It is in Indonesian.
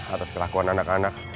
atas kelakuan anak anak